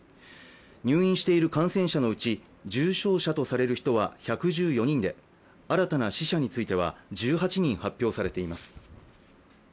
入院している感染者のうち、重症者とされる人は１１４人で新たな死者については、１８人発表されています。